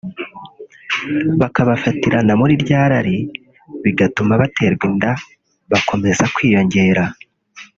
bakabafatirana muri rya rari bigatuma abaterwa inda bakomeza kwiyongera